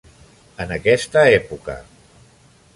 En aquesta època.